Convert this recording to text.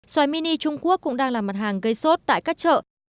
xoài mini trung quốc cũng đang là mặt hàng gây sốt tại các chợ